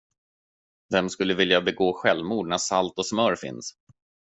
Vem skulle vilja begå självmord när salt och smör finns?